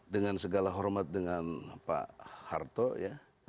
dengan segala hormat dengan pak harto ya